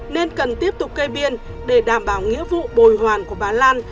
nên cần tiếp tục kê biên để đảm bảo nghĩa vụ bồi hoàn của bà lan